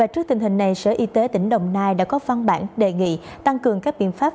trước tình hình này sở y tế tỉnh đồng nai đã có văn bản đề nghị tăng cường các biện pháp